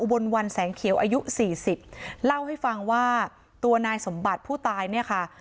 บนวันแสงเขียวอายุสี่สิบเล่าให้ฟังว่าตัวนายสมบัติผู้ตายเนี่ยค่ะ